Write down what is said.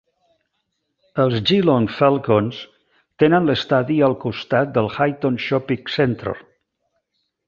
Els Geelong Falcons tenen l'estadi al costat del Highton Shopping Centre.